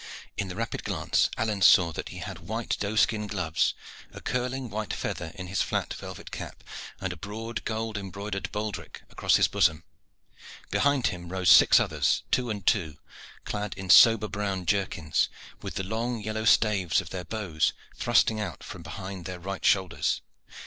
In the rapid glance Alleyne saw that he had white doeskin gloves, a curling white feather in his flat velvet cap, and a broad gold, embroidered baldric across his bosom. Behind him rode six others, two and two, clad in sober brown jerkins, with the long yellow staves of their bows thrusting out from behind their right shoulders.